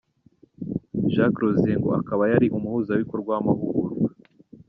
Jacques Rosier ngo akaba yari umuhuzabikorwa w’amahugurwa.